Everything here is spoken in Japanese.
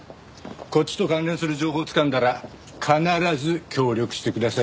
こっちと関連する情報つかんだら必ず協力してくださいよ。